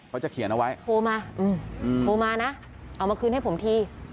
เขาจะเขียนเอาไว้โทรมาโทรมานะเอามาคืนให้ผมที